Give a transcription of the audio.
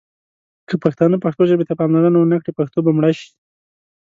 که پښتانه پښتو ژبې ته پاملرنه ونه کړي ، پښتو به مړه شي.